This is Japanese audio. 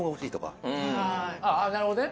あぁなるほどね。